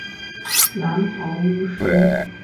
蓝袍巫师。